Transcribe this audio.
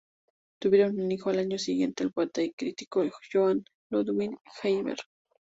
Tuvieron un hijo al año siguiente, el poeta y crítico Johan Ludvig Heiberg.